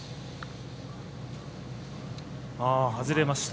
外れました。